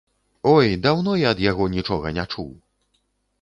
Ой, даўно я ад яго нічога не чуў.